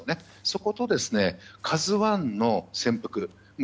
そこと「ＫＡＺＵ１」の船腹。